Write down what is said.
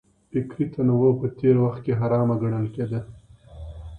فکري تنوع په تېر وخت کي حرامه ګڼل کېده.